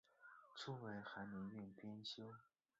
初为翰林院编修。